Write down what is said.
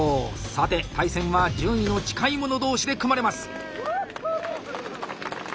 さて対戦は順位の近い者同士で組まれます。